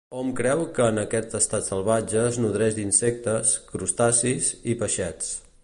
Hom creu que en estat salvatge es nodreix d'insectes, crustacis i peixets.